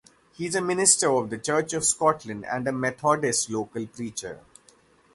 He is a minister of the Church of Scotland and a Methodist local preacher.